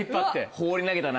放り投げたな。